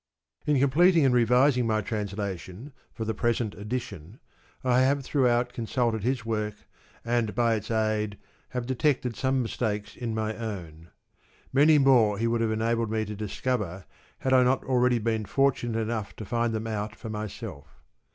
In completing and revising my translation for the present edition I have throughout consulted his work and by its aid have detected some mistakes in my own. Many more he would have enabled me to discover had I not already been fortunate enough to find them out for myself.